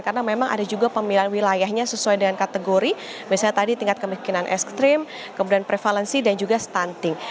karena memang ada juga pemilihan wilayahnya sesuai dengan kategori misalnya tadi tingkat kemiskinan ekstrim kemudian prevalensi dan juga stunting